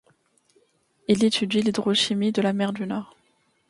Il étudie l’hydrochimie de la mer du Nord.